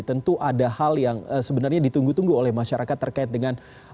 tentu ada hal yang sebenarnya ditunggu tunggu oleh masyarakat terkait dengan